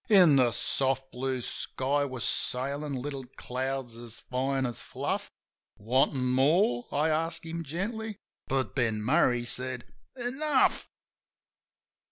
In the soft blue sky were sailin' little clouds as fine as fluff. "Wantin' more?" I asked him gently; but Ben Murray said, "Enough."